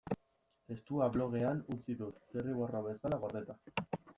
Testua blogean utzi dut, zirriborro bezala gordeta.